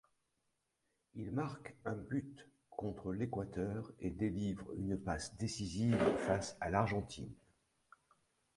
Il marque un but contre l'Équateur, et délivre une passe décisive face à l'Argentine.